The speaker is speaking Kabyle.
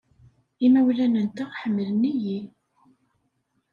Imawlan-nteɣ ḥemmlen-iyi.